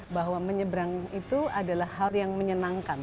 bahwa menyeberang itu adalah hal yang menyenangkan